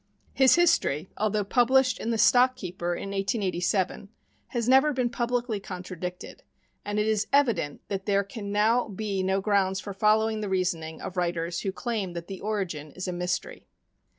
His history, although published in the Stock Keeper in 1887, has never been publicly contradicted, and it is evident that there can now be no grounds for following the reasoning of writers who claim that the origin is a mystery.